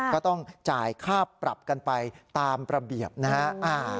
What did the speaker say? ก็ต้องจ่ายค่าปรับกันไปตามระเบียบนะฮะ